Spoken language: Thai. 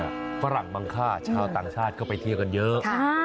จากฝรั่งมังคาจะไปเทียงเยอะ